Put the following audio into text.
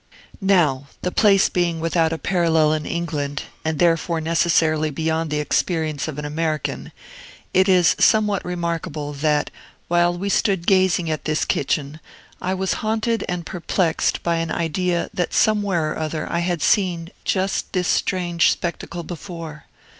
Now the place being without a parallel in England, and therefore necessarily beyond the experience of an American it is somewhat remarkable, that, while we stood gazing at this kitchen, I was haunted and perplexed by an idea that somewhere or other I had seen just this strange spectacle before.